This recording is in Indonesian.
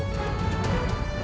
baiklah bibi ratu